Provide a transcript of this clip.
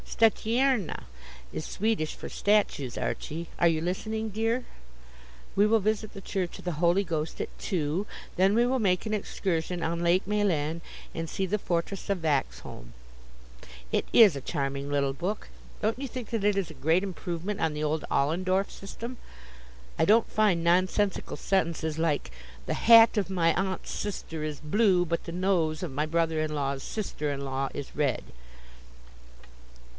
'Statyerna' is Swedish for statues, Archie. Are you listening, dear? 'We will visit the Church of the Holy Ghost, at two, then we will make an excursion on Lake Mälan and see the fortress of Vaxholm.' It is a charming little book. Don't you think that it is a great improvement on the old Ollendorff system? I don't find nonsensical sentences like 'The hat of my aunt's sister is blue, but the nose of my brother in law's sister in law is red.'"